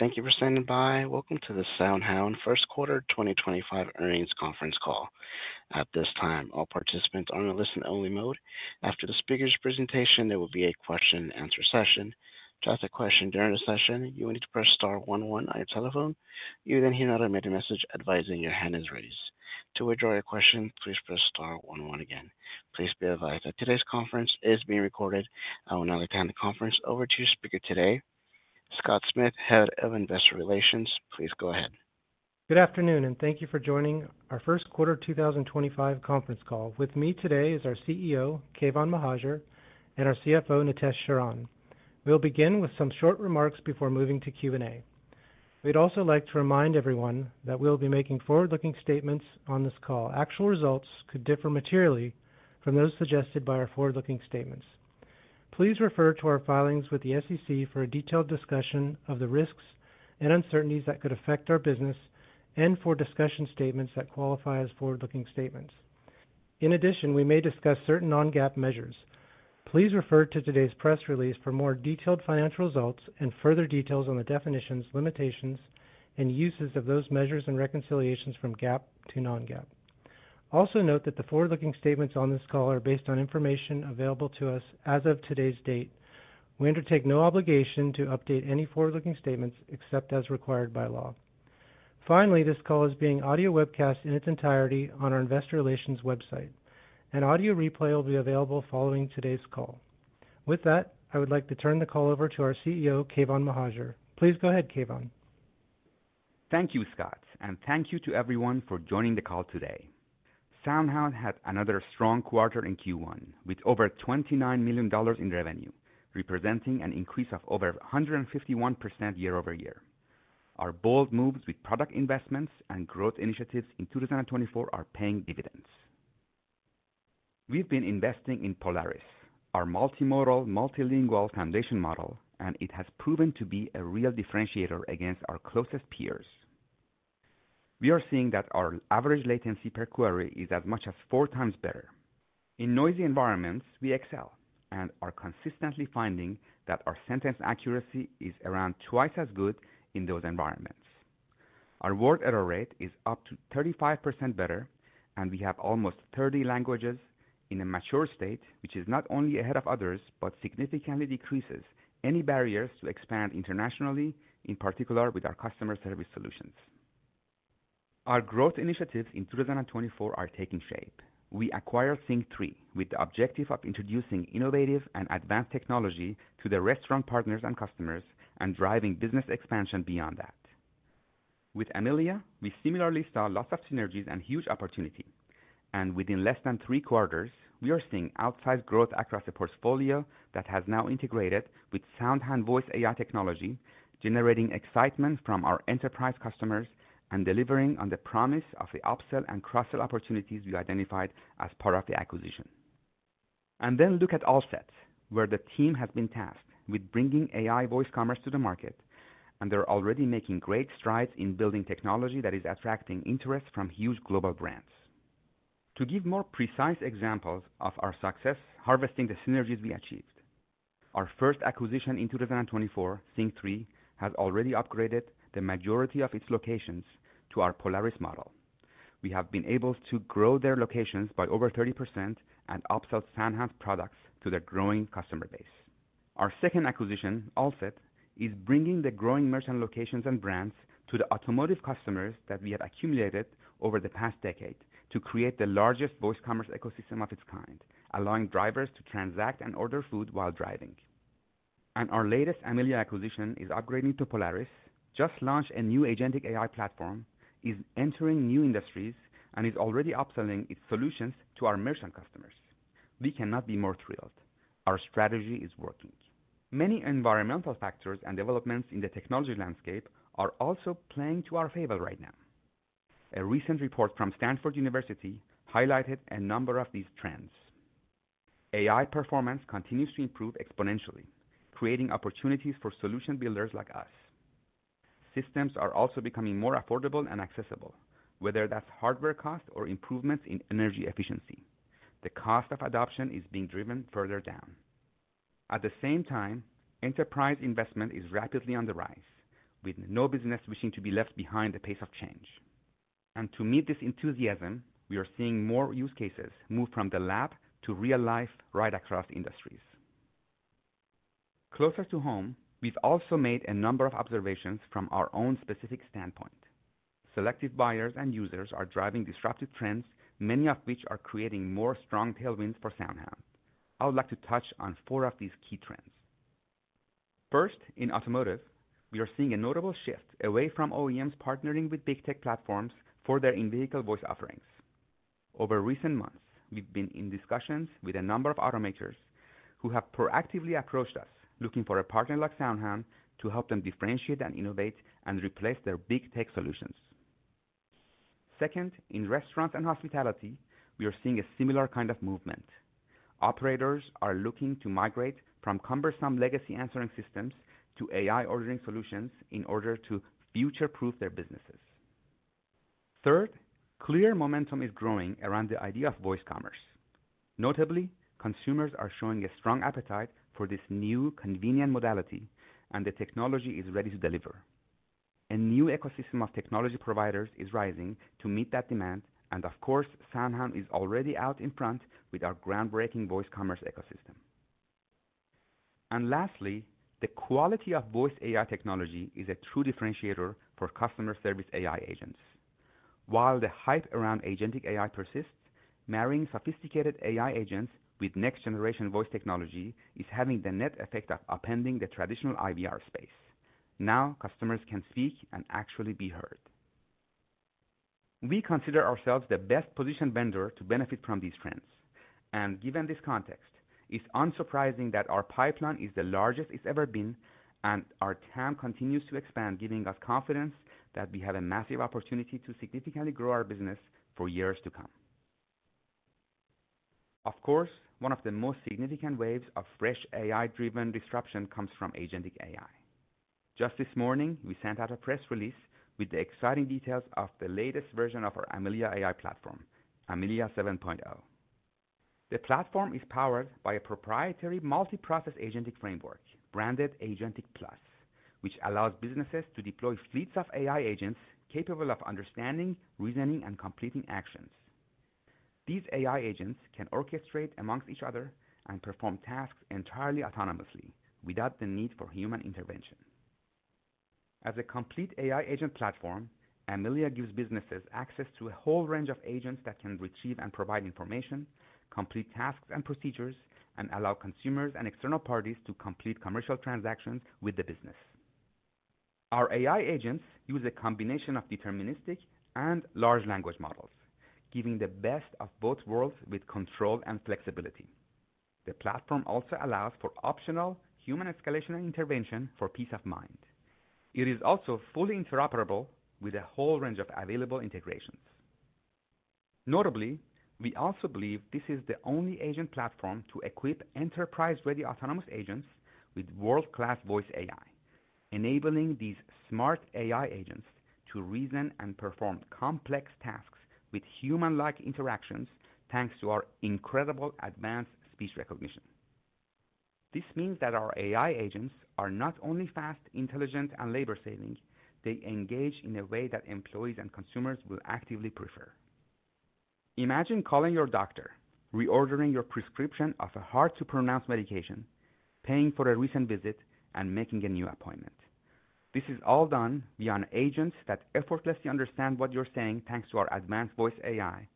Thank you for standing by. Welcome to the SoundHound First Quarter 2025 Earnings Conference Call. At this time, all participants are in a listen-only mode. After the speaker's presentation, there will be a question-and-answer session. To ask a question during the session, you will need to press star 11 on your telephone. You will then hear an automated message advising your hand is raised. To withdraw your question, please press star 11 again. Please be advised that today's conference is being recorded. I will now turn the conference over to your speaker today, Scott Smith, Head of Investor Relations. Please go ahead. Good afternoon, and thank you for joining our First Quarter 2025 Conference Call. With me today is our CEO, Keyvan Mohajer, and our CFO, Nitesh Sharan. We'll begin with some short remarks before moving to Q&A. We'd also like to remind everyone that we'll be making forward-looking statements on this call. Actual results could differ materially from those suggested by our forward-looking statements. Please refer to our filings with the SEC for a detailed discussion of the risks and uncertainties that could affect our business and for discussion statements that qualify as forward-looking statements. In addition, we may discuss certain non-GAAP measures. Please refer to today's press release for more detailed financial results and further details on the definitions, limitations, and uses of those measures and reconciliations from GAAP to non-GAAP. Also note that the forward-looking statements on this call are based on information available to us as of today's date. We undertake no obligation to update any forward-looking statements except as required by law. Finally, this call is being audio-webcast in its entirety on our Investor Relations website. An audio replay will be available following today's call. With that, I would like to turn the call over to our CEO, Keyvan Mohajer. Please go ahead, Keyvan. Thank you, Scott, and thank you to everyone for joining the call today. SoundHound had another strong quarter in Q1 with over $29 million in revenue, representing an increase of over 151% year over year. Our bold moves with product investments and growth initiatives in 2024 are paying dividends. We've been investing in Polaris, our multimodal, multilingual foundation model, and it has proven to be a real differentiator against our closest peers. We are seeing that our average latency per query is as much as four times better. In noisy environments, we excel, and are consistently finding that our sentence accuracy is around twice as good in those environments. Our word error rate is up to 35% better, and we have almost 30 languages in a mature state, which is not only ahead of others but significantly decreases any barriers to expand internationally, in particular with our customer service solutions. Our growth initiatives in 2024 are taking shape. We acquired Sync3 with the objective of introducing innovative and advanced technology to the restaurant partners and customers and driving business expansion beyond that. With Amelia, we similarly saw lots of synergies and huge opportunity. Within less than three quarters, we are seeing outsized growth across the portfolio that has now integrated with SoundHound Voice AI technology, generating excitement from our enterprise customers and delivering on the promise of the upsell and cross-sell opportunities we identified as part of the acquisition. Look at Allsets, where the team has been tasked with bringing AI voice commerce to the market, and they're already making great strides in building technology that is attracting interest from huge global brands. To give more precise examples of our success harvesting the synergies we achieved, our first acquisition in 2024, Sync3, has already upgraded the majority of its locations to our Polaris Model. We have been able to grow their locations by over 30% and upsell SoundHound products to their growing customer base. Our second acquisition, Allsets, is bringing the growing merchant locations and brands to the automotive customers that we have accumulated over the past decade to create the largest voice commerce ecosystem of its kind, allowing drivers to transact and order food while driving. Our latest Amelia acquisition is upgrading to Polaris, just launched a new Agentic AI platform, is entering new industries, and is already upselling its solutions to our merchant customers. We cannot be more thrilled. Our strategy is working. Many environmental factors and developments in the technology landscape are also playing to our favor right now. A recent report from Stanford University highlighted a number of these trends. AI performance continues to improve exponentially, creating opportunities for solution builders like us. Systems are also becoming more affordable and accessible, whether that is hardware cost or improvements in energy efficiency. The cost of adoption is being driven further down. At the same time, enterprise investment is rapidly on the rise, with no business wishing to be left behind the pace of change. To meet this enthusiasm, we are seeing more use cases move from the lab to real life right across industries. Closer to home, we have also made a number of observations from our own specific standpoint. Selective buyers and users are driving disruptive trends, many of which are creating more strong tailwinds for SoundHound. I would like to touch on four of these key trends. First, in automotive, we are seeing a notable shift away from OEMs partnering with big tech platforms for their in-vehicle voice offerings. Over recent months, we've been in discussions with a number of automakers who have proactively approached us, looking for a partner like SoundHound to help them differentiate and innovate and replace their big tech solutions. Second, in restaurants and hospitality, we are seeing a similar kind of movement. Operators are looking to migrate from cumbersome legacy answering systems to AI ordering solutions in order to future-proof their businesses. Third, clear momentum is growing around the idea of voice commerce. Notably, consumers are showing a strong appetite for this new convenient modality, and the technology is ready to deliver. A new ecosystem of technology providers is rising to meet that demand, and of course, SoundHound is already out in front with our groundbreaking voice commerce ecosystem. Lastly, the quality of voice AI technology is a true differentiator for customer service AI agents. While the hype around Agentic AI persists, marrying sophisticated AI agents with next-generation voice technology is having the net effect of upending the traditional IVR space. Now customers can speak and actually be heard. We consider ourselves the best-positioned vendor to benefit from these trends. Given this context, it's unsurprising that our pipeline is the largest it's ever been, and our TAM continues to expand, giving us confidence that we have a massive opportunity to significantly grow our business for years to come. Of course, one of the most significant waves of fresh AI-driven disruption comes from Agentic AI. Just this morning, we sent out a press release with the exciting details of the latest version of our Amelia AI Patform, Amelia 7.0. The platform is powered by a proprietary multi-process agentic framework, branded Agentic Plus, which allows businesses to deploy fleets of AI agents capable of understanding, reasoning, and completing actions. These AI agents can orchestrate amongst each other and perform tasks entirely autonomously without the need for human intervention. As a complete AI Agent Platform, Amelia gives businesses access to a whole range of agents that can retrieve and provide information, complete tasks and procedures, and allow consumers and external parties to complete commercial transactions with the business. Our AI Agents use a combination of Deterministic and large Language Models, giving the best of both worlds with control and flexibility. The platform also allows for optional human escalation and intervention for peace of mind. It is also fully interoperable with a whole range of available integrations. Notably, we also believe this is the only Agent Platform to Equip Enterprise-ready Autonomous Agents with world-class Voice AI, enabling these smart AI Agents to reason and perform complex tasks with human-like interactions thanks to our incredible Advanced Speech Recognition. This means that our AI Agents are not only fast, intelligent, and labor-saving, they engage in a way that employees and consumers will actively prefer. Imagine calling your doctor, reordering your prescription of a hard-to-pronounce medication, paying for a recent visit, and making a new appointment. This is all done via an agent that effortlessly understands what you're saying thanks to our Advanced Voice AI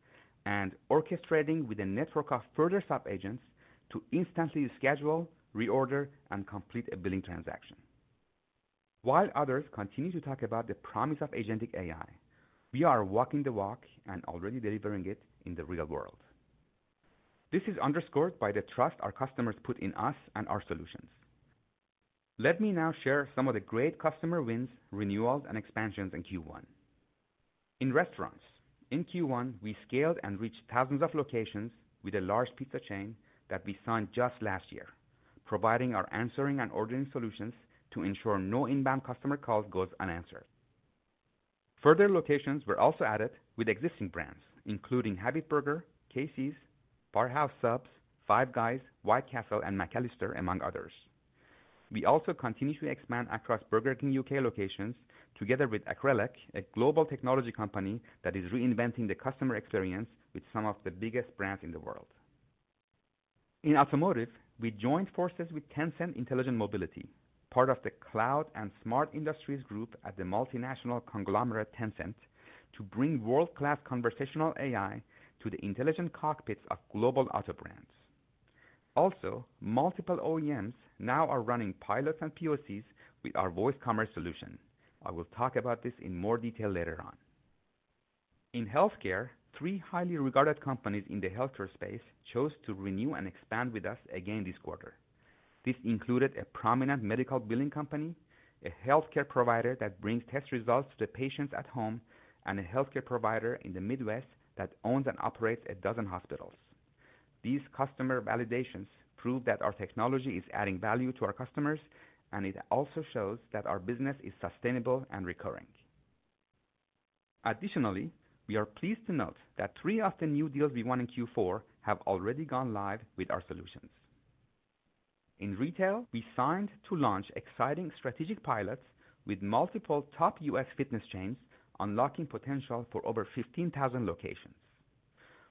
and orchestrating with a network of further sub-agents to instantly schedule, reorder, and complete a billing transaction. While others continue to talk about the promise of Agentic AI, we are walking the walk and already delivering it in the real world. This is underscored by the trust our customers put in us and our solutions. Let me now share some of the great customer wins, renewals, and expansions in Q1. In restaurants, in Q1, we scaled and reached thousands of locations with a large pizza chain that we signed just last year, providing our answering and ordering solutions to ensure no inbound customer calls go unanswered. Further locations were also added with existing brands, including Habit Burger, KC's, Barhouse Subs, Five Guys, White Castle, and Mac Allister, among others. We also continue to expand across Burger King U.K. locations together with Acrelec, a Global Technology Company that is reinventing the customer experience with some of the biggest brands in the world. In automotive, we joined forces with Tencent Intelligent Mobility, part of the Cloud and Smart Industries group at the multinational conglomerate Tencent, to bring world-class Conversational AI to the intelligent cockpits of global auto brands. Also, multiple OEMs now are running Pilots and POCs with our Voice Commerce Solution. I will talk about this in more detail later on. In healthcare, three highly regarded companies in the healthcare space chose to renew and expand with us again this Quarter. This included a prominent Medical Billing Company, a Healthcare Provider that brings test results to the patients at home, and a healthcare provider in the Midwest that owns and operates a dozen hospitals. These customer validations prove that our technology is adding value to our customers, and it also shows that our business is sustainable and recurring. Additionally, we are pleased to note that three of the new deals we won in Q4 have already gone live with our solutions. In Retail, we signed to launch exciting strategic Pilots with multiple Top US Fitness Chains, unlocking potential for over 15,000 locations.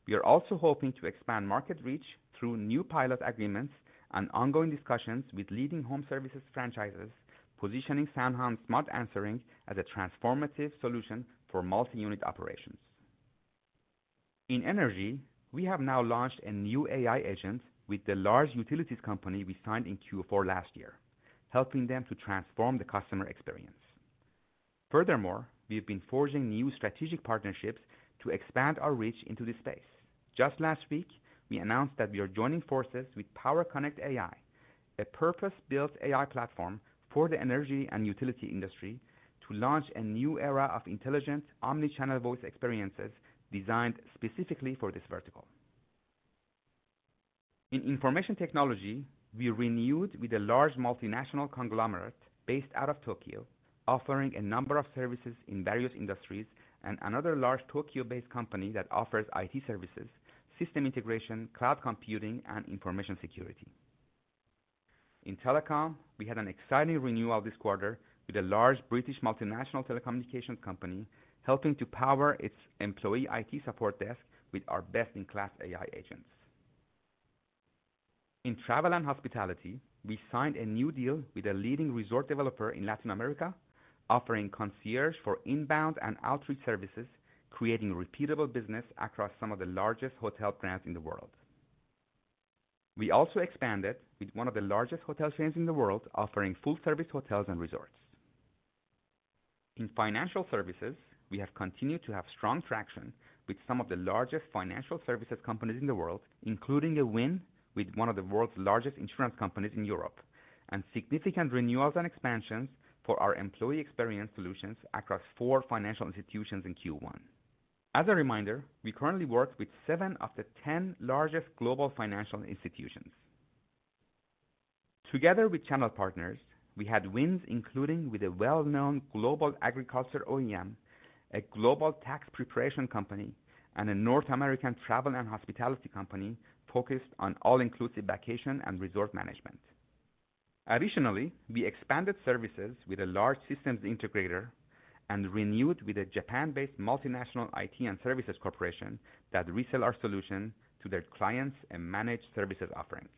We are also hoping to expand market reach through new pilot agreements and ongoing discussions with Leading Home Services Franchises, positioning SoundHound Smart Answering as a transformative solution for multi-unit operations. In Energy, we have now launched a new AI Agent with the Large Utilities Company we signed in Q4 last year, helping them to transform the customer experience. Furthermore, we have been forging new Strategic Partnerships to expand our reach into this space. Just last week, we announced that we are joining forces with PowerConnect AI, a Purpose-Built AI Platform for the Energy and Utility Industry, to launch a new era of intelligent Omnichannel Voice Experiences designed specifically for this vertical. In Information Technology, we renewed with a Large Multinational Conglomerate based out of Tokyo, offering a number of services in various industries, and another Large Tokyo-Based Company that offers IT Services, System Integration, Cloud Computing, and Information Security. In Telecom, we had an exciting renewal this Quarter with a Large British Multinational Telecommunications Company helping to power its employee IT Support Desk with our Best-in-Class AI Agents. In travel and hospitality, we signed a new deal with a Leading Resort Developer in Latin America, offering Concierge for Inbound and Outreach Services, creating repeatable business across some of the largest hotel brands in the world. We also expanded with one of the largest Hotel Chains in the world, offering Full-Service Hotels and RFsorts. In Financial Services, we have continued to have strong traction with some of the largest Financial Services Companies in the world, including a win with one of the world's largest Insurance Companies in Europe, and significant renewals and expansions for our Employee Experience Solutions across four Financial institutions in Q1. As a reminder, we currently work with seven of the 10 largest global financial institutions. Together with channel partners, we had wins including with a well-known global Agriculture OEM, a global Tax Preparation Company, and a North American Travel and Hospitality Company focused on All-inclusive vacation and Resort Management. Additionally, we expanded services with a Large Systems Integrator and renewed with a Japan-based Multinational IT and Services Corporation that resell our solution to their clients and manage services offerings.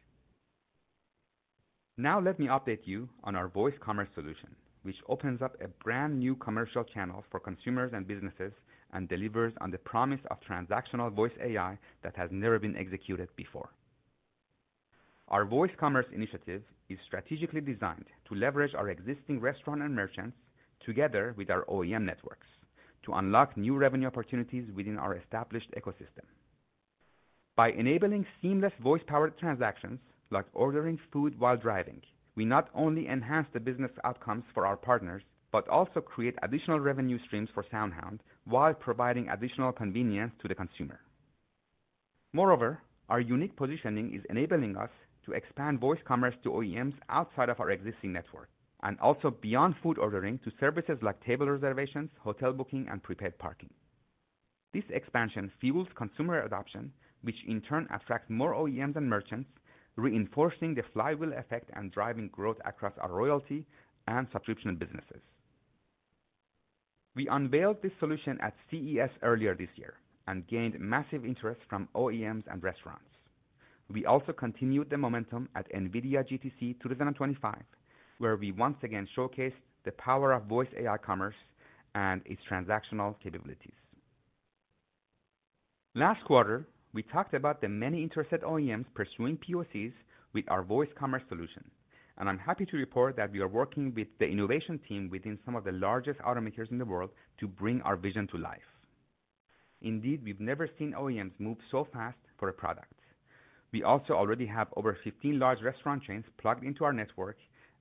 Now let me update you on our Voice Commerce Solution, which opens up a brand new commercial channel for consumers and businesses and delivers on the promise of Transactional Voice AI that has never been executed before. Our Voice Commerce Initiative is strategically designed to leverage our existing restaurant and merchants together with our OEM networks to unlock new revenue opportunities within our established Ecosystem. By enabling seamless voice-powered transactions like ordering food while driving, we not only enhance the business outcomes for our partners but also create additional revenue streams for SoundHound while providing additional convenience to the consumer. Moreover, our unique positioning is enabling us to expand Voice Commerce to OEMs outside of our existing network and also beyond food ordering to services like table reservations, hotel booking, and prepaid parking. This expansion fuels consumer adoption, which in turn attracts more OEMs and merchants, reinforcing the flywheel effect and driving growth across our royalty and subscription businesses. We unveiled this Solution at CES earlier this year and gained massive interest from OEMs and restaurants. We also continued the momentum at NVIDIA GTC 2025, where we once again showcased the power of Voice AI Commerce and its transactional capabilities. Last Quarter, we talked about the many interested OEMs pursuing POCs with our Voice Commerce Solution, and I'm happy to report that we are working with the innovation team within some of the largest automakers in the world to bring our vision to life. Indeed, we've never seen OEMs move so fast for a product. We also already have over 15 large Restaurant Chains plugged into our network,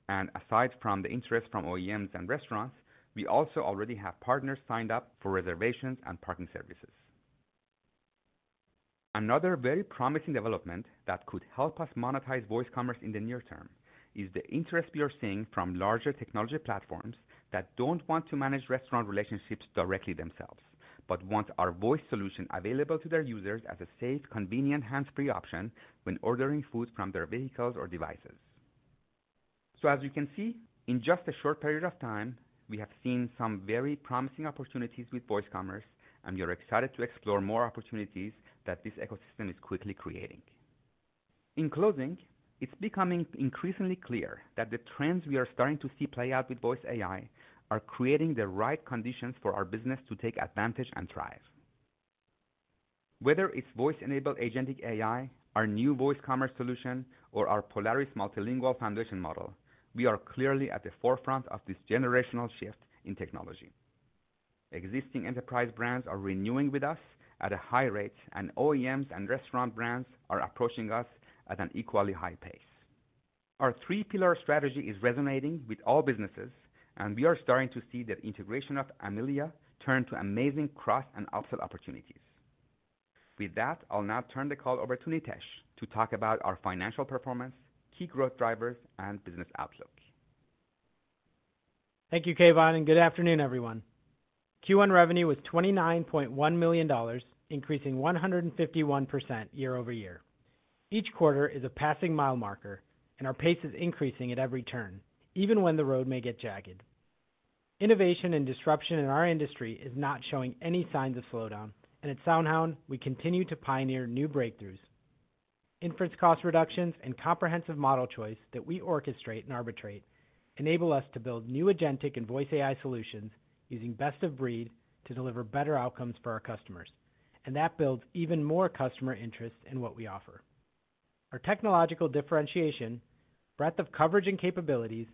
and aside from the interest from OEMs and restaurants, we also already have partners signed up for Reservations and Parking Services. Another very promising development that could help us monetize Voice Commerce in the near term is the interest we are seeing from larger Technology Platforms that do not want to manage restaurant relationships directly themselves but want our Voice Solution available to their users as a safe, convenient, hands-free option when ordering food from their vehicles or devices. As you can see, in just a short period of time, we have seen some very promising opportunities with Voice Commerce, and we are excited to explore more opportunities that this ecosystem is quickly creating. In closing, it's becoming increasingly clear that the trends we are starting to see play out with Voice AI are creating the right conditions for our business to take advantage and thrive. Whether it's Voice-Enabled Agentic AI, our new Voice Commerce Solution, or our Polaris Multilingual Fundation Model, we are clearly at the forefront of this generational shift in technology. Existing Enterprise Brands are renewing with us at a high rate, and OEMs and Restaurant Brands are approaching us at an equally high pace. Our Three-Pillar Strategy is resonating with all businesses, and we are starting to see the integration of Amelia turn to amazing cross-and-upsell opportunities. With that, I'll now turn the call over to Nitesh to talk about our financial performance, key growth drivers, and business outlook. Thank you, Keyvan, and good afternoon, everyone. Q1 revenue was $29.1 million, increasing 151% year over year. Each Quarter is a passing mile marker, and our pace is increasing at every turn, even when the road may get jagged. Innovation and disruption in our industry is not showing any signs of slowdown, and at SoundHound, we continue to pioneer new breakthroughs. Inference cost reductions and comprehensive model choice that we orchestrate and arbitrate enable us to build new Agentic and Voice AI solutions using best-of-breed to deliver better outcomes for our customers, and that builds even more customer interest in what we offer. Our technological differentiation, breadth of coverage and capabilities,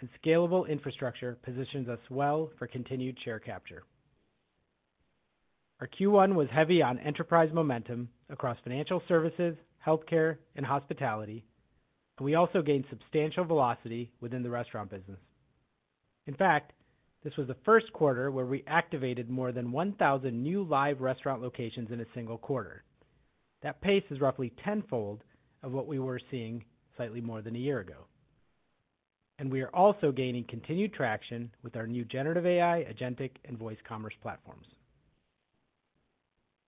and scalable infrastructure position us well for continued share capture. Our Q1 was heavy on Enterprise momentum across Financial Services, Healthcare, and Hospitality, and we also gained substantial velocity within the Restaurant Business. In fact, this was the first Quarter where we activated more than 1,000 new live restaurant locations in a single Quarter. That pace is roughly tenfold of what we were seeing slightly more than a year ago. We are also gaining continued traction with our new Generative AI, Agentic, and Voice Commerce Platforms.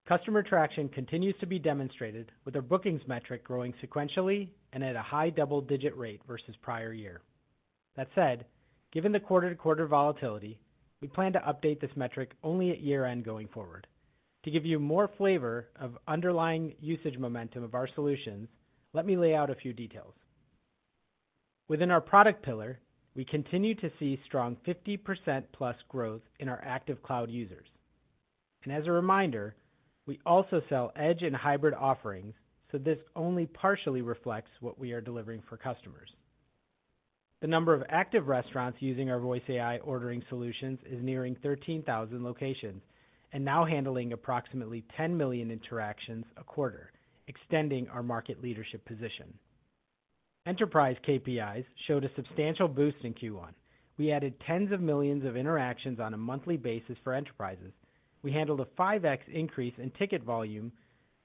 Customer traction continues to be demonstrated with our bookings metric growing sequentially and at a high double-digit rate versus prior year. That said, given the quarter-to-quarter volatility, we plan to update this metric only at year-end going forward. To give you more flavor of underlying usage momentum of our solutions, let me lay out a few details. Within our Product Pillar, we continue to see strong 50%+ growth in our Active Cloud Users. As a reminder, we also sell Edge and Hybrid Offerings, so this only partially reflects what we are delivering for customers. The number of active restaurants using our Voice AI Ordering Solutions is nearing 13,000 locations and now handling approximately 10 million interactions a Quarter, extending our market leadership position. Enterprise KPIs showed a substantial boost in Q1. We added tens of millions of interactions on a monthly basis for enterprises. We handled a 5x increase in ticket volume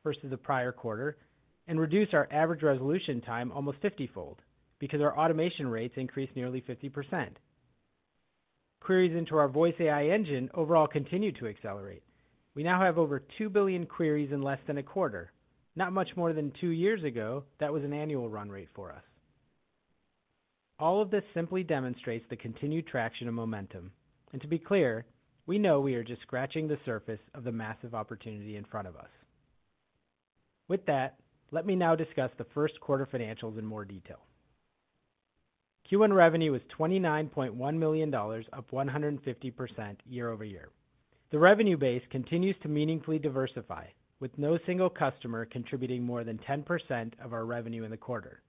versus the prior Quarter and reduced our average resolution time almost 50-fold because our automation rates increased nearly 50%. Queries into our Voice AI Engine overall continue to accelerate. We now have over 2 billion queries in less than a quarter, not much more than two years ago that was an annual run rate for us. All of this simply demonstrates the continued traction and momentum. To be clear, we know we are just scratching the surface of the massive opportunity in front of us. With that, let me now discuss the First Quarter Financials in more detail. Q1 revenue was $29.1 million, up 150% year over year. The revenue base continues to meaningfully diversify, with no single customer contributing more than 10% of our revenue in the Quarter.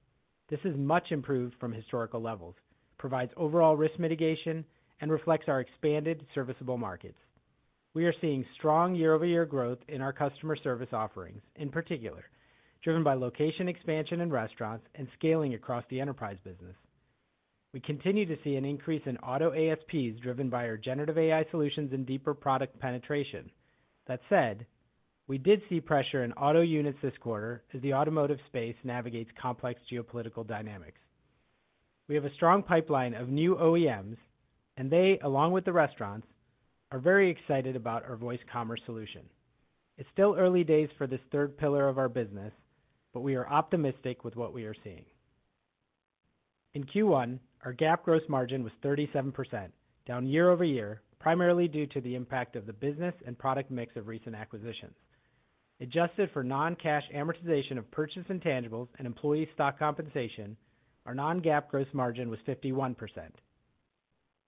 This is much improved from historical levels, provides overall risk mitigation, and reflects our expanded serviceable markets. We are seeing strong year-over-year growth in our Customer Service Offerings, in particular, driven by location expansion in restaurants and scaling across the Enterprise Business. We continue to see an increase in auto ASPs driven by our Generative AI Solutions and deeper product penetration. That said, we did see pressure in auto units this Quarter as the automotive space navigates complex geopolitical dynamics. We have a strong pipeline of new OEMs, and they, along with the restaurants, are very excited about our Voice Commerce Solution. It's still early days for this Third Pillar of our business, but we are optimistic with what we are seeing. In Q1, our GAAP Gross Margin was 37%, down year over year, primarily due to the impact of the business and product mix of recent acquisitions. Adjusted for non-cash amortization of purchase intangibles and employee stock compensation, our non-GAAP Gross Margin was 51%.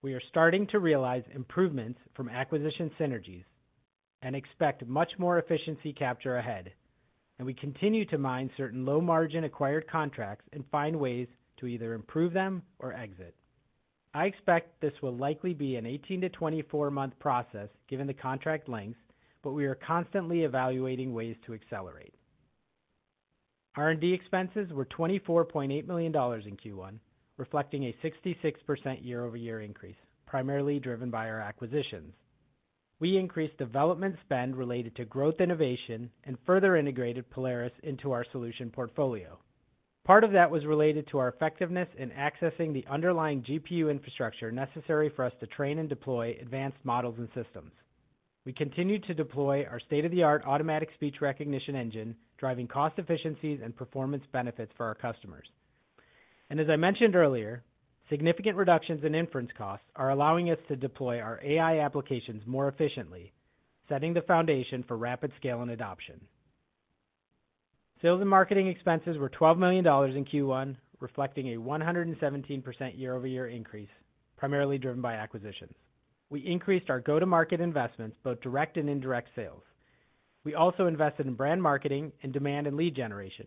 We are starting to realize improvements from acquisition synergies and expect much more efficiency capture ahead. We continue to mind certain low-margin acquired contracts and find ways to either improve them or exit. I expect this will likely be an 18-24 month process given the contract length, but we are constantly evaluating ways to accelerate. R&D expenses were $24.8 million in Q1, reflecting a 66% year-over-year increase, primarily driven by our acquisitions. We increased development spend related to growth innovation and further integrated Polaris into our Solution Portfolio. Part of that was related to our effectiveness in accessing the underlying GPU infrastructure necessary for us to train and deploy advanced models and systems. We continue to deploy our state-of-the-art Automatic Speech Recognition Engine, driving cost efficiencies and performance benefits for our customers. As I mentioned earlier, significant reductions in inference costs are allowing us to deploy our AI Applications more efficiently, setting the foundation for rapid scale and adoption. Sales and Marketing expenses were $12 million in Q1, reflecting a 117% year-over-year increase, primarily driven by acquisitions. We increased our Go-To-Market Investments, both direct and indirect sales. We also invested in Brand Marketing and Demand and Lead Generation.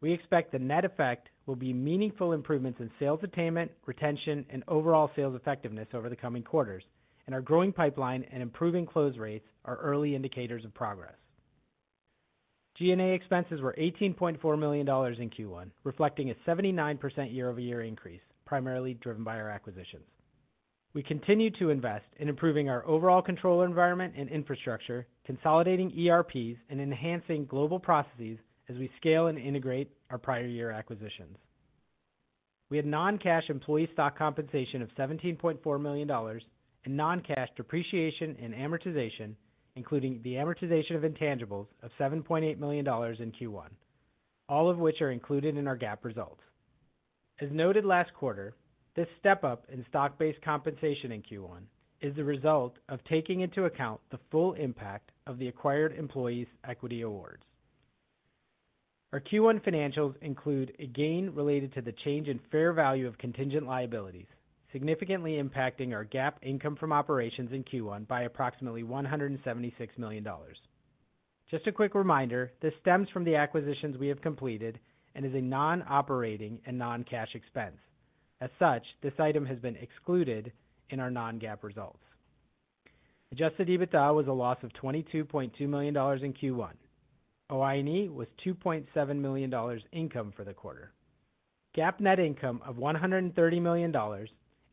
We expect the net effect will be meaningful improvements in sales attainment, retention, and overall Sales Effectiveness over the coming Quarters. Our growing pipeline and improving close rates are early indicators of progress. G&A expenses were $18.4 million in Q1, reflecting a 79% year-over-year increase, primarily driven by our acquisitions. We continue to invest in improving our overall control environment and infrastructure, consolidating ERPs, and enhancing Global Processes as we scale and integrate our prior-year acquisitions. We had Non-Cash Employee Stock Compensation of $17.4 million and Non-Cash Depreciation and Amortization, including the amortization of intangibles of $7.8 million in Q1, all of which are included in our GAAP results. As noted last quarter, this step-up in Stock-Based Compensation in Q1 is the result of taking into account the full impact of the acquired employees' equity awards. Our Q1 financials include a gain related to the change in fair value of contingent liabilities, significantly impacting our GAAP Income from Operations in Q1 by approximately $176 million. Just a quick reminder, this stems from the acquisitions we have completed and is a non-operating and non-cash expense. As such, this item has been excluded in our non-GAAP results. Adjusted EBITDA was a loss of $22.2 million in Q1. OINE was $2.7 million income for the quarter. GAAP net income of $130 million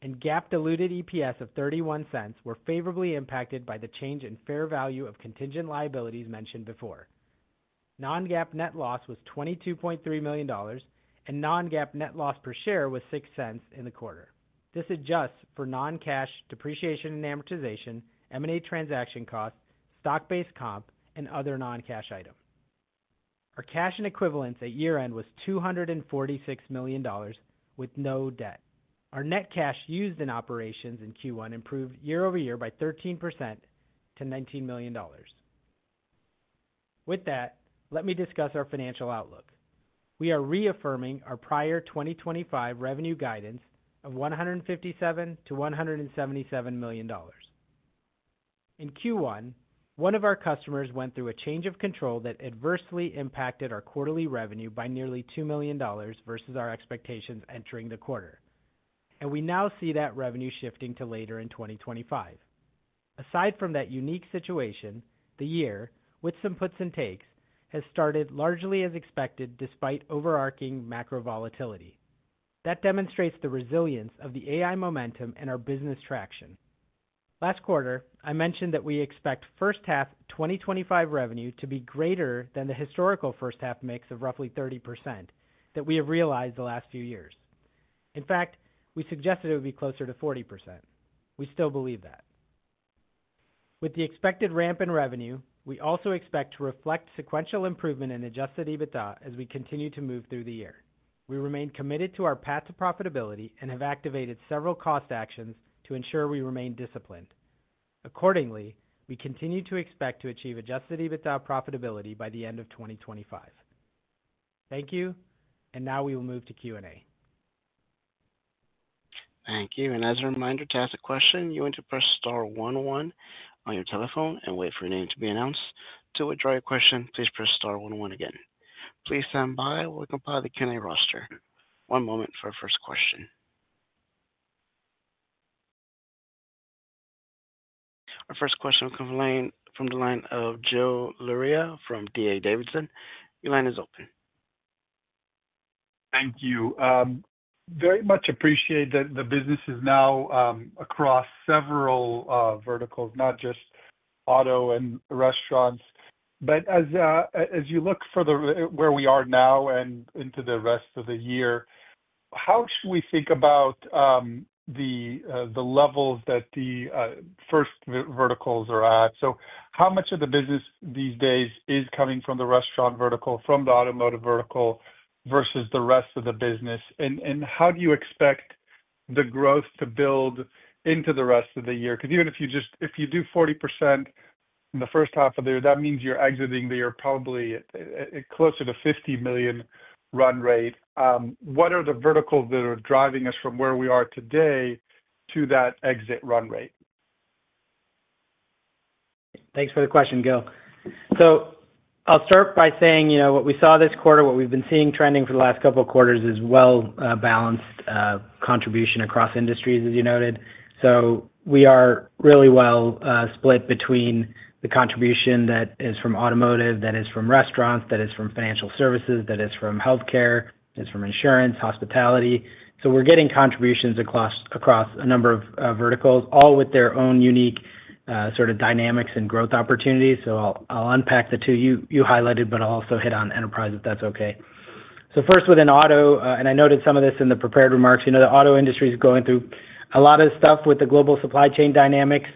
and GAAP Diluted EPS of $0.31 were favorably impacted by the change in fair value of contingent liabilities mentioned before. Non-GAAP Net Loss was $22.3 million, and Non-GAAP Net Loss Per Share was $0.06 in the Quarter. This adjusts for Non-Cash Depreciation and Amortization, M&A Transaction Costs, Stock-Based Comp, and other non-cash items. Our cash and equivalents at year-end was $246 million with no debt. Our Net Cash Used in operations in Q1 improved year-over-year by 13% to $19 million. With that, let me discuss our Financial Outlook. We are reaffirming our prior 2025 revenue guidance of $157-$177 million. In Q1, one of our customers went through a Change of Control that adversely impacted our quarterly revenue by nearly $2 million versus our expectations entering the Quarter. We now see that revenue shifting to later in 2025. Aside from that unique situation, the year, with some puts and takes, has started largely as expected despite overarching macro volatility. That demonstrates the resilience of the AI momentum and our business traction. Last quarter, I mentioned that we expect First-Half 2025 revenue to be greater than the historical First-Half mix of roughly 30% that we have realized the last few years. In fact, we suggested it would be closer to 40%. We still believe that. With the expected ramp in revenue, we also expect to reflect sequential improvement in adjusted EBITDA as we continue to move through the year. We remain committed to our path to profitability and have activated several cost actions to ensure we remain disciplined. Accordingly, we continue to expect to achieve adjusted EBITDA profitability by the end of 2025. Thank you. Now we will move to Q&A. Thank you. As a reminder, to ask a question, you want to press star 101 on your telephone and wait for your name to be announced. To withdraw your question, please press star 101 again. Please stand by while we compile the Q&A roster. One moment for our first question. Our first question will come from the line of Gil Luria from D.A. Davidson. Your line is open. Thank you. Very much appreciate that the business is now across several verticals, not just auto and restaurants. As you look for where we are now and into the rest of the year, how should we think about the levels that the first verticals are at? How much of the business these days is coming from the restaurant vertical, from the automotive vertical versus the rest of the business? How do you expect the growth to build into the rest of the year? Even if you do 40% in the first half of the year, that means you're exiting the year probably closer to $50 million run rate. What are the verticals that are driving us from where we are today to that exit run rate? Thanks for the question, Gil. I'll start by saying what we saw this quarter, what we've been seeing trending for the last couple of quarters is well-balanced contribution across industries, as you noted. We are really well split between the contribution that is from automotive, that is from restaurants, that is from financial services, that is from healthcare, that is from insurance, hospitality. We're getting contributions across a number of verticals, all with their own unique sort of dynamics and growth opportunities. I'll unpack the two you highlighted, but I'll also hit on enterprise if that's okay. First, within auto, and I noted some of this in the prepared remarks, the auto industry is going through a lot of stuff with the global supply chain dynamics.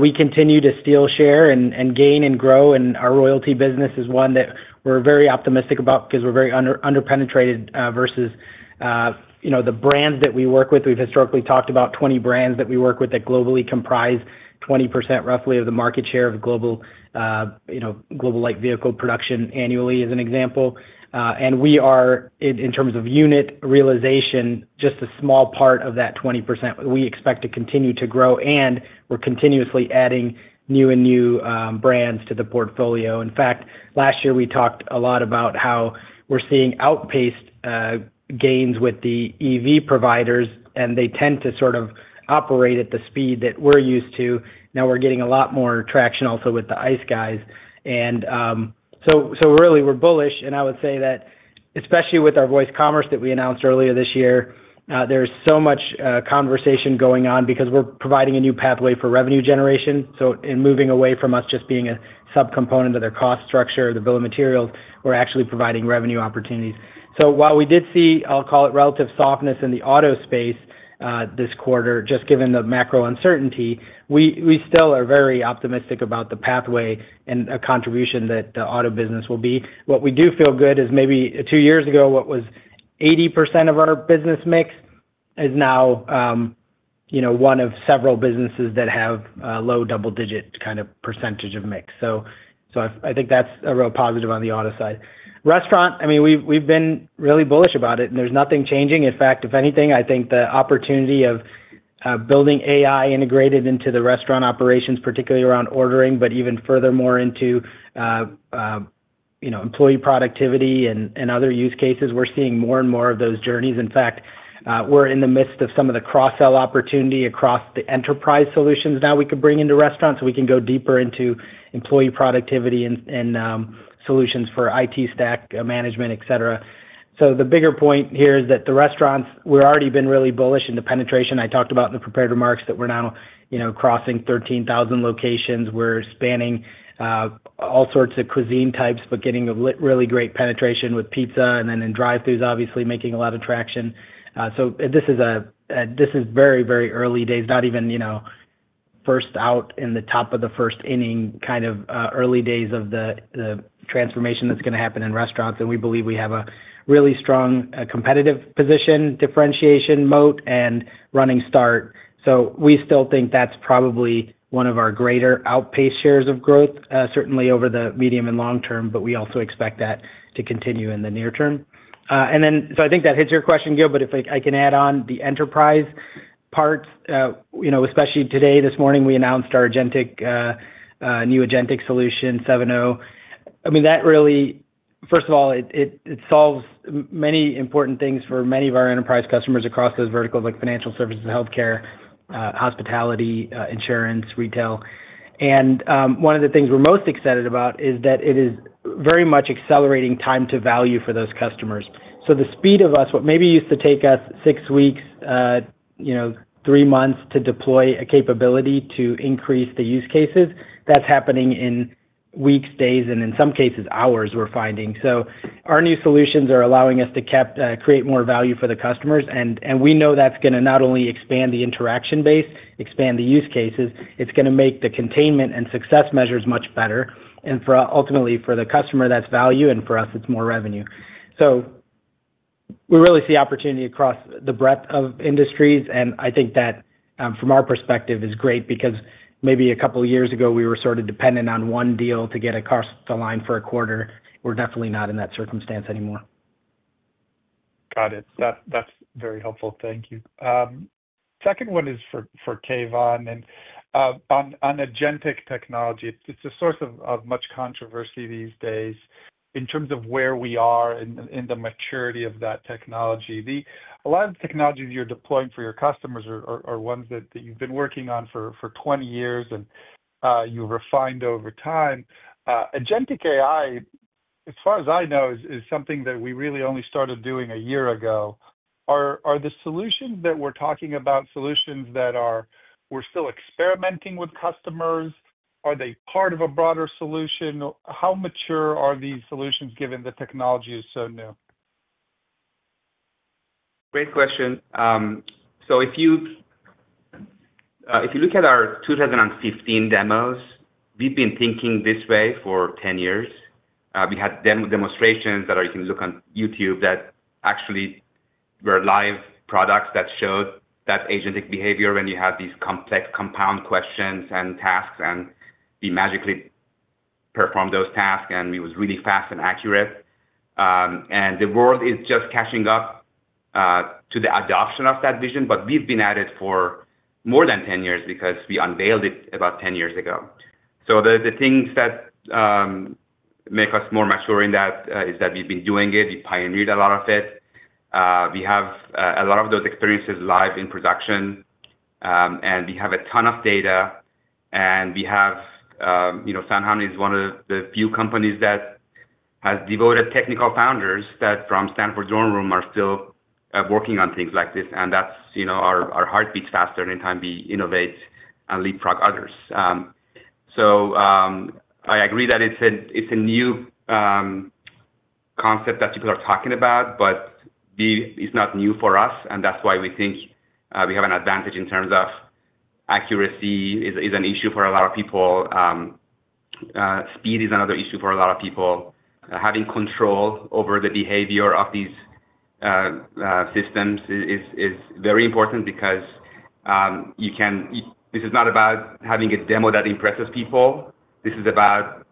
We continue to steal share and gain and grow, and our Royalty Business is one that we're very optimistic about because we're very under-penetrated versus the brands that we work with. We've historically talked about 20 brands that we work with that globally comprise 20% roughly of the market share of global-like vehicle production annually, as an example. And we are, in terms of Unit Realization, just a small part of that 20%. We expect to continue to grow, and we're continuously adding new and new brands to the portfolio. In fact, last year, we talked a lot about how we're seeing outpaced gains with the EV providers, and they tend to sort of operate at the speed that we're used to. Now we're getting a lot more traction also with the ICE guys. And so really, we're bullish. I would say that, especially with our voice commerce that we announced earlier this year, there's so much conversation going on because we're providing a new pathway for revenue generation. In moving away from us just being a subcomponent of their cost structure, the bill of materials, we're actually providing revenue opportunities. While we did see, I'll call it, relative softness in the auto space this quarter, just given the macro uncertainty, we still are very optimistic about the pathway and a contribution that the auto business will be. What we do feel good is maybe two years ago, what was 80% of our business mix is now one of several businesses that have a low double-digit kind of percentage of mix. I think that's a real positive on the auto side. Restaurant, I mean, we've been really bullish about it, and there's nothing changing. In fact, if anything, I think the opportunity of building AI integrated into the restaurant operations, particularly around ordering, but even furthermore into employee productivity and other use cases, we're seeing more and more of those journeys. In fact, we're in the midst of some of the cross-sell opportunity across the enterprise solutions now we could bring into restaurants. We can go deeper into employee productivity and solutions for IT stack management, etc. The bigger point here is that the restaurants, we've already been really bullish in the penetration. I talked about in the prepared remarks that we're now crossing 13,000 locations. We're spanning all sorts of cuisine types, but getting a really great penetration with pizza and then in drive-throughs, obviously making a lot of traction. This is very, very early days, not even first out in the top of the first inning kind of early days of the transformation that's going to happen in restaurants. We believe we have a really strong competitive position, differentiation moat, and running start. We still think that's probably one of our greater outpaced shares of growth, certainly over the medium and long term, but we also expect that to continue in the near term. I think that hits your question, Gil, but if I can add on the enterprise part, especially today, this morning, we announced our new Agentic Solution, 7.0. I mean, that really, first of all, it solves many important things for many of our enterprise customers across those verticals like financial services, healthcare, hospitality, insurance, retail. One of the things we're most excited about is that it is very much accelerating time to value for those customers. The speed of us, what maybe used to take us six weeks, three months to deploy a capability to increase the use cases, that's happening in weeks, days, and in some cases, hours, we're finding. Our new solutions are allowing us to create more value for the customers. We know that's going to not only expand the interaction base, expand the use cases, it's going to make the containment and success measures much better. Ultimately, for the customer, that's value, and for us, it's more revenue. We really see opportunity across the breadth of industries. I think that, from our perspective, is great because maybe a couple of years ago, we were sort of dependent on one deal to get across the line for a quarter. We are definitely not in that circumstance anymore. Got it. That is very helpful. Thank you. Second one is for Keyvan. On Agentic technology, it is a source of much controversy these days in terms of where we are in the maturity of that technology. A lot of the technologies you are deploying for your customers are ones that you have been working on for 20 years, and you have refined over time. Agentic AI, as far as I know, is something that we really only started doing a year ago. Are the solutions that we are talking about solutions that we are still experimenting with customers? Are they part of a broader solution? How mature are these solutions given the technology is so new? Great question. If you look at our 2015 demos, we've been thinking this way for 10 years. We had demonstrations that you can look on YouTube that actually were live products that showed that Agentic behavior when you have these complex compound questions and tasks and we magically perform those tasks, and it was really fast and accurate. The world is just catching up to the adoption of that vision, but we've been at it for more than 10 years because we unveiled it about 10 years ago. The things that make us more mature in that is that we've been doing it. We pioneered a lot of it. We have a lot of those experiences live in production, and we have a ton of data. We have SoundHound as one of the few companies that has devoted technical founders that from Stanford's dorm room are still working on things like this. That is our heartbeat faster anytime we innovate and leapfrog others. I agree that it is a new concept that people are talking about, but it is not new for us. That is why we think we have an advantage in terms of accuracy, which is an issue for a lot of people. Speed is another issue for a lot of people. Having control over the behavior of these systems is very important because this is not about having a demo that impresses people. This is about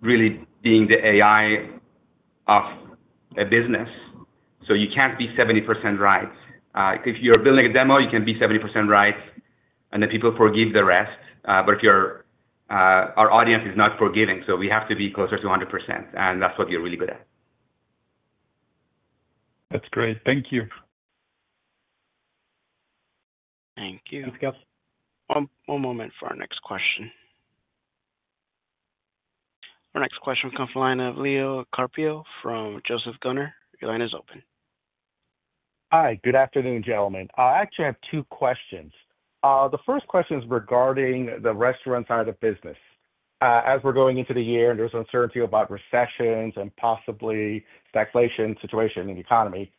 really being the AI of a business. You cannot be 70% right. If you are building a demo, you can be 70% right, and then people forgive the rest. Our audience is not forgiving. So we have to be closer to 100%. And that's what you're really good at. That's great. Thank you. Thank you. Thanks, Gil. One moment for our next question. Our next question will come from the line of Leo Carpio from Joseph Gunner. Your line is open. Hi. Good afternoon, gentlemen. I actually have two questions. The first question is regarding the restaurant side of the business. As we're going into the year and there's uncertainty about recessions and possibly stagflation situation in the economy,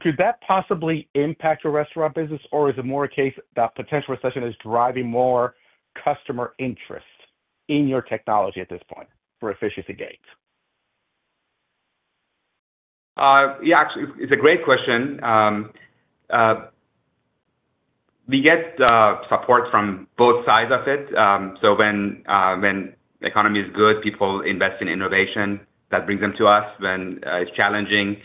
could that possibly impact your restaurant business, or is it more a case that potential recession is driving more customer interest in your technology at this point for efficiency gains? Yeah, actually, it's a great question. We get support from both sides of it. So when the economy is good, people invest in innovation. That brings them to us. When it's challenging,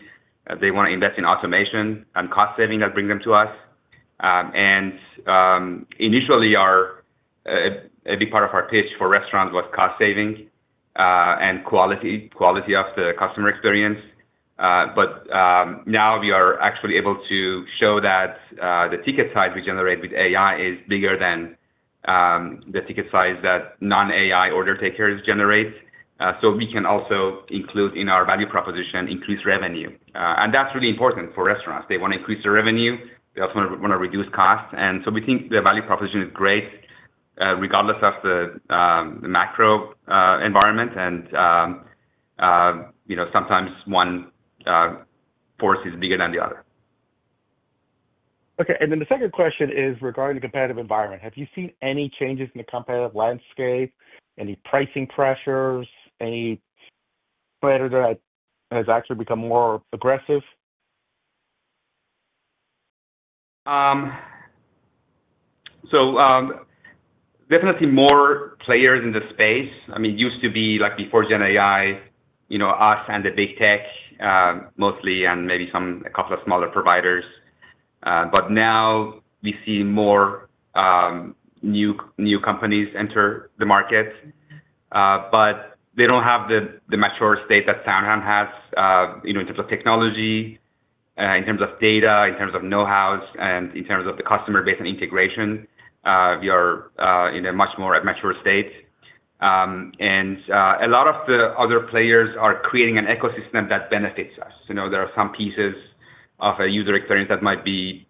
they want to invest in automation and cost saving. That brings them to us. Initially, a big part of our pitch for restaurants was cost saving and quality of the customer experience. Now we are actually able to show that the ticket size we generate with AI is bigger than the ticket size that Non-AI order takers generate. We can also include in our value proposition increased revenue. That's really important for restaurants. They want to increase their revenue. They also want to reduce costs. We think the value proposition is great regardless of the macro environment. Sometimes one force is bigger than the other. Okay. The second question is regarding the competitive environment. Have you seen any changes in the competitive landscape, any pricing pressures, any players that have actually become more aggressive? Definitely more players in the space. I mean, it used to be like before GenAI, us and the big tech mostly, and maybe a couple of smaller providers. Now we see more new companies enter the market. They do not have the mature state that SoundHound has in terms of technology, in terms of data, in terms of know-hows, and in terms of the customer base and integration. We are in a much more mature state. A lot of the other players are creating an ecosystem that benefits us. There are some pieces of a user experience that might be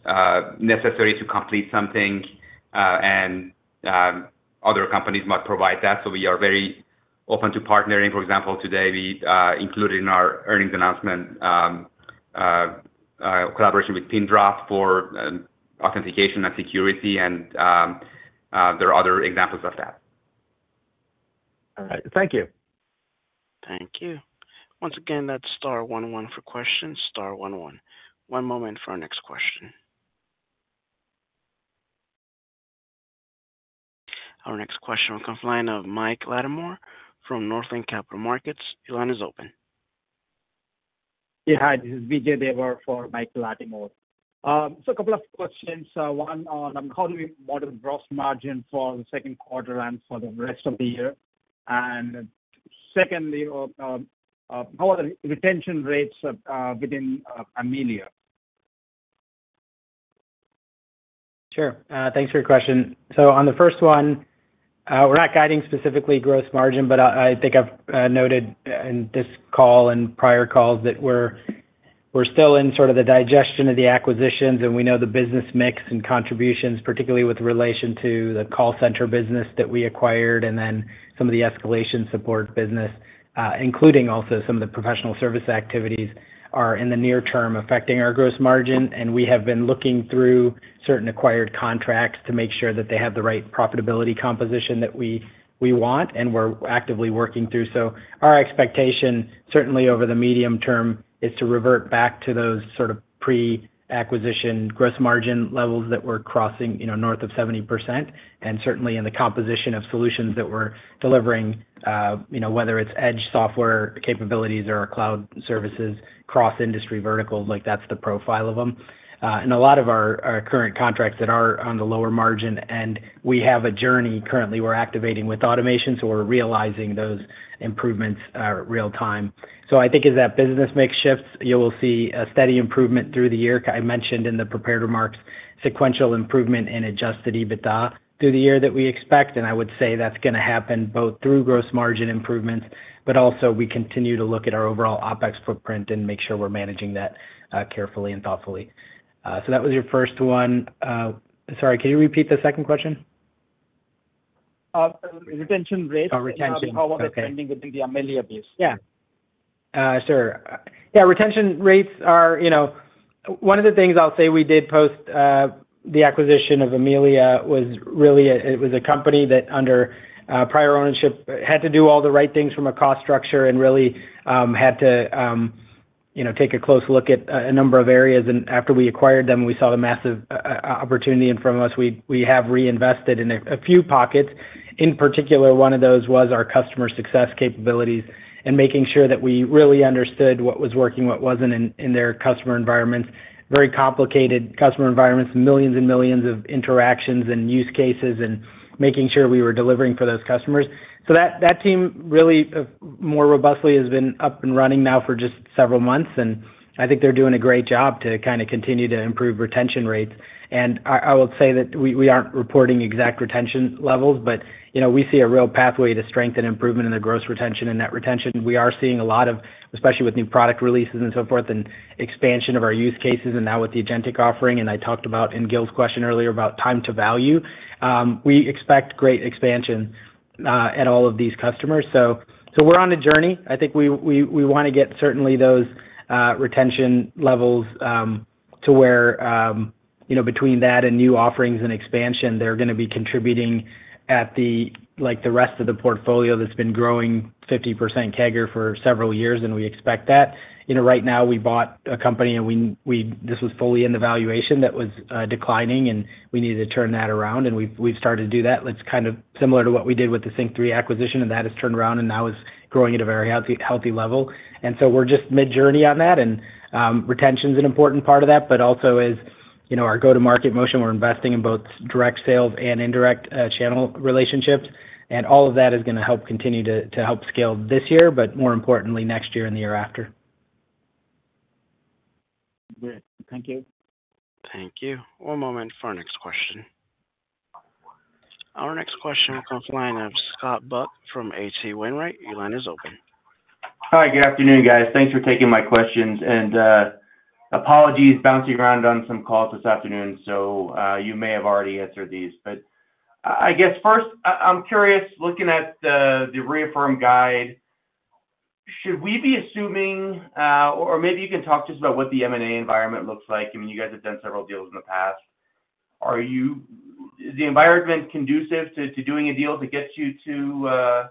necessary to complete something, and other companies might provide that. We are very open to partnering. For example, today, we included in our earnings announcement collaboration with Pindrop for authentication and security. There are other examples of that. All right. Thank you. Thank you. Once again, that's Star11 for questions. Star11. One moment for our next question. Our next question will come from the line of Mike Lattimore from Northland Capital Markets. Your line is open. Yeah, hi. This is Vijay Devar for Mike Lattimore. So a couple of questions. One on how do we model gross margin for the second quarter and for the rest of the year? And secondly, how are the retention rates within Amelia? Sure. Thanks for your question. So on the first one, we're not guiding specifically gross margin, but I think I've noted in this call and prior calls that we're still in sort of the digestion of the acquisitions. We know the business mix and contributions, particularly with relation to the call center business that we acquired, and then some of the escalation support business, including also some of the professional service activities, are in the near term affecting our gross margin. We have been looking through certain acquired contracts to make sure that they have the right profitability composition that we want, and we're actively working through. Our expectation, certainly over the medium term, is to revert back to those sort of pre-acquisition gross margin levels that were crossing north of 70%. Certainly in the composition of solutions that we're delivering, whether it's edge software capabilities or cloud services across industry verticals, that's the profile of them. A lot of our current contracts that are on the lower margin, and we have a journey currently. We're activating with automation, so we're realizing those improvements real time. I think as that business mix shifts, you will see a steady improvement through the year. I mentioned in the prepared remarks, sequential improvement in adjusted EBITDA through the year that we expect. I would say that's going to happen both through gross margin improvements, but also we continue to look at our overall OPEX footprint and make sure we're managing that carefully and thoughtfully. That was your first one. Sorry, can you repeat the second question? Retention rates. Oh, retention. How are they spending within the Amelia base? Yeah. Sure. Yeah, retention rates are one of the things I'll say we did post the acquisition of Amelia was really it was a company that under prior ownership had to do all the right things from a cost structure and really had to take a close look at a number of areas. After we acquired them, we saw a massive opportunity in front of us. We have reinvested in a few pockets. In particular, one of those was our customer success capabilities and making sure that we really understood what was working, what wasn't in their customer environments. Very complicated customer environments, millions and millions of interactions and use cases, and making sure we were delivering for those customers. That team really more robustly has been up and running now for just several months. I think they're doing a great job to kind of continue to improve retention rates. I will say that we aren't reporting exact retention levels, but we see a real pathway to strength and improvement in the gross retention and net retention. We are seeing a lot of, especially with new product releases and so forth, and expansion of our use cases and now with the Agentic offering. I talked about in Gil's question earlier about time to value. We expect great expansion at all of these customers. We're on a journey. I think we want to get certainly those retention levels to where between that and new offerings and expansion, they're going to be contributing at the rest of the portfolio that's been growing 50% Kager for several years, and we expect that. Right now, we bought a company, and this was fully in the valuation that was declining, and we needed to turn that around. We've started to do that. It's kind of similar to what we did with the Sync3 acquisition, and that has turned around and now is growing at a very healthy level. We're just mid-journey on that. Retention is an important part of that, but also is our go-to-market motion. We're investing in both direct sales and indirect channel relationships. All of that is going to help continue to help scale this year, but more importantly, next year and the year after. Great. Thank you. Thank you. One moment for our next question. Our next question will come from the line of Scott Buck from H.C. Wainwright. Your line is open. Hi. Good afternoon, guys. Thanks for taking my questions. Apologies, bouncing around on some calls this afternoon, so you may have already answered these. I guess first, I'm curious, looking at the reaffirmed guide, should we be assuming, or maybe you can talk just about what the M&A environment looks like? I mean, you guys have done several deals in the past. Is the environment conducive to doing a deal that gets you to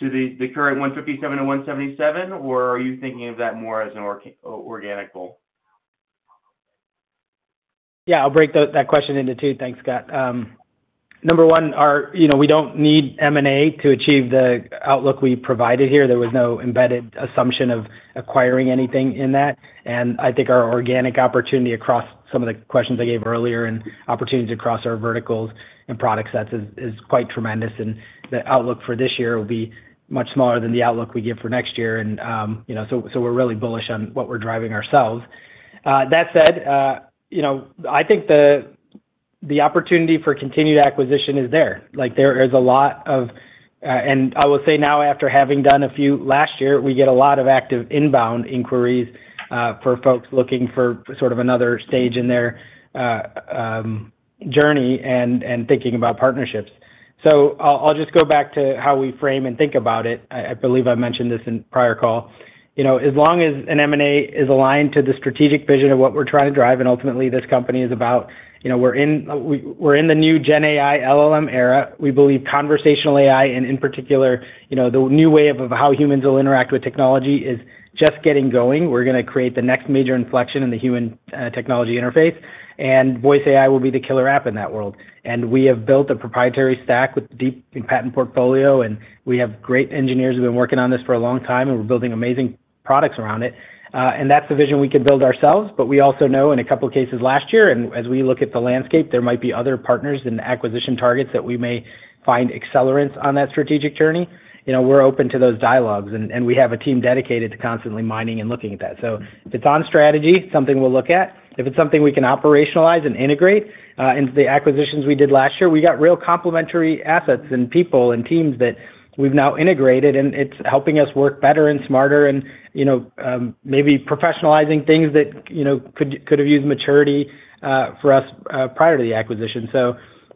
the current $157 million-$177 million, or are you thinking of that more as an organic goal? Yeah, I'll break that question into two. Thanks, Scott. Number one, we do not need M&A to achieve the outlook we provided here. There was no embedded assumption of acquiring anything in that. I think our organic opportunity across some of the questions I gave earlier and opportunities across our verticals and product sets is quite tremendous. The outlook for this year will be much smaller than the outlook we give for next year. We are really bullish on what we are driving ourselves. That said, I think the opportunity for continued acquisition is there. There is a lot of, and I will say now after having done a few last year, we get a lot of active inbound inquiries for folks looking for sort of another stage in their journey and thinking about partnerships. I will just go back to how we frame and think about it. I believe I mentioned this in prior call. As long as an M&A is aligned to the strategic vision of what we are trying to drive, and ultimately this company is about, we are in the new GenAI LLM era. We believe conversational AI, and in particular, the new way of how humans will interact with technology is just getting going. We are going to create the next major inflection in the human technology interface. Voice AI will be the killer app in that world. We have built a proprietary stack with a deep and patent portfolio, and we have great engineers who have been working on this for a long time, and we are building amazing products around it. That is the vision we could build ourselves. We also know in a couple of cases last year, and as we look at the landscape, there might be other partners and acquisition targets that we may find accelerants on that strategic journey. We are open to those dialogues, and we have a team dedicated to constantly mining and looking at that. If it's on strategy, it's something we'll look at. If it's something we can operationalize and integrate into the acquisitions we did last year, we got real complementary assets and people and teams that we've now integrated, and it's helping us work better and smarter and maybe professionalizing things that could have used maturity for us prior to the acquisition.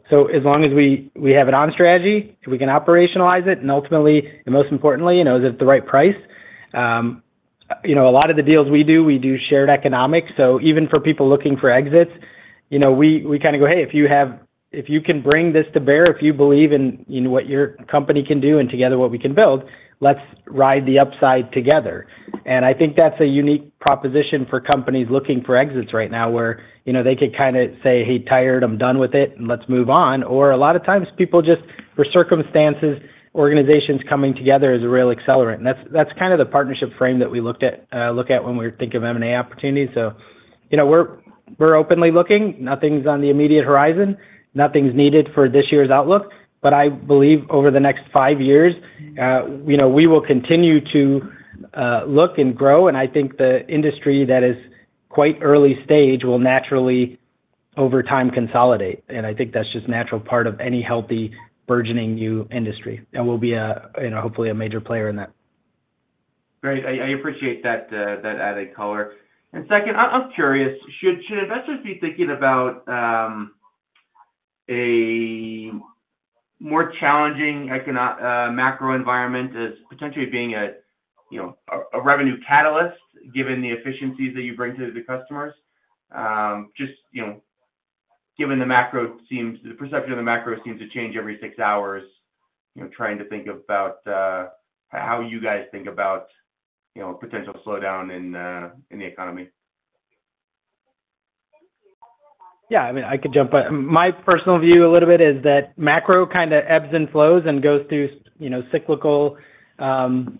As long as we have it on strategy, we can operationalize it. Ultimately, and most importantly, is it the right price? A lot of the deals we do, we do shared economics. Even for people looking for exits, we kind of go, "Hey, if you can bring this to bear, if you believe in what your company can do and together what we can build, let's ride the upside together." I think that's a unique proposition for companies looking for exits right now, where they could kind of say, "Hey, tired, I'm done with it, and let's move on." A lot of times, people just for circumstances, organizations coming together is a real accelerant. That's kind of the partnership frame that we look at when we think of M&A opportunities. We're openly looking. Nothing's on the immediate horizon. Nothing's needed for this year's outlook. I believe over the next five years, we will continue to look and grow. I think the industry that is quite early stage will naturally, over time, consolidate. I think that's just a natural part of any healthy, burgeoning new industry. We'll be hopefully a major player in that. Great. I appreciate that added color. Second, I'm curious, should investors be thinking about a more challenging macro environment as potentially being a revenue catalyst, given the efficiencies that you bring to the customers? Just given the macro seems the perception of the macro seems to change every six hours, trying to think about how you guys think about potential slowdown in the economy. Yeah, I mean, I could jump. My personal view a little bit is that macro kind of ebbs and flows and goes through cyclical, well,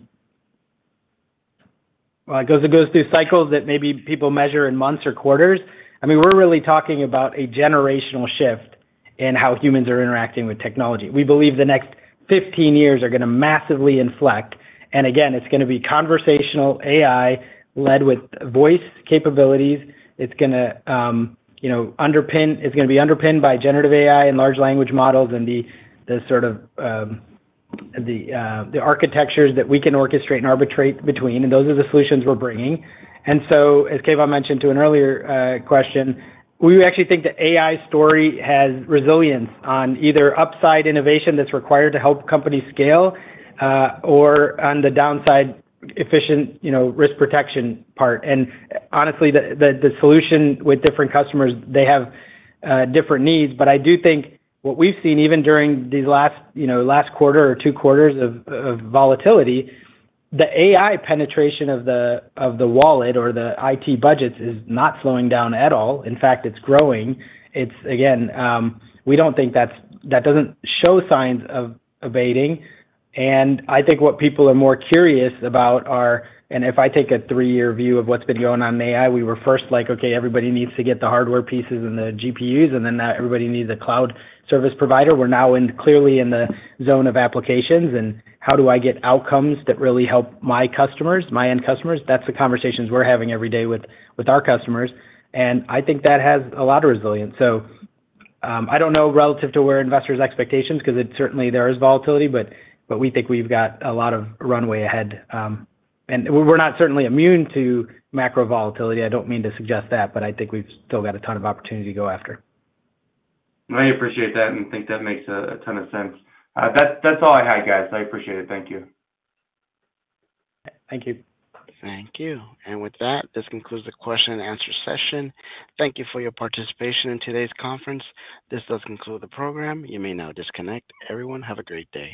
it goes through cycles that maybe people measure in months or quarters. I mean, we're really talking about a generational shift in how humans are interacting with technology. We believe the next 15 years are going to massively inflect. Again, it's going to be conversational AI led with voice capabilities. It's going to be underpinned by Generative AI and large language models and the sort of the architectures that we can orchestrate and arbitrate between. Those are the solutions we're bringing. As Keyvan mentioned to an earlier question, we actually think the AI story has resilience on either upside innovation that's required to help companies scale or on the downside efficient risk protection part. Honestly, the solution with different customers, they have different needs. I do think what we've seen even during the last quarter or two quarters of volatility, the AI penetration of the wallet or the IT budgets is not slowing down at all. In fact, it's growing. Again, we do not think that does not show signs of abating. I think what people are more curious about are, and if I take a three-year view of what has been going on in AI, we were first like, "Okay, everybody needs to get the hardware pieces and the GPUs," and then now everybody needs a cloud service provider. We are now clearly in the zone of applications. How do I get outcomes that really help my end customers? That is the conversations we are having every day with our customers. I think that has a lot of resilience. I do not know relative to where investors' expectations, because certainly there is volatility, but we think we have got a lot of runway ahead. We are not certainly immune to macro volatility. I do not mean to suggest that, but I think we have still got a ton of opportunity to go after. I appreciate that and think that makes a ton of sense. That's all I had, guys. I appreciate it. Thank you. Thank you. Thank you. With that, this concludes the question-and-answer session. Thank you for your participation in today's conference. This does conclude the program. You may now disconnect. Everyone, have a great day.